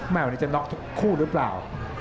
วันนี้จะน็อกทุกคู่หรือเปล่า